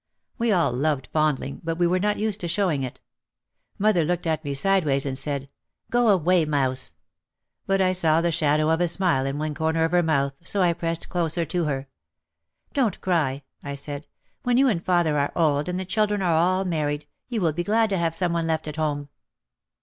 We all loved fondling but we were not used to showing it. Mother looked at me sideways and said, "Go away, mouse !" But I saw the shadow of a smile in one corner of her mouth, so I pressed closer to her. "Don't cry," I said, "when you and father are old and the children are all married, you will be glad to have some one left at home."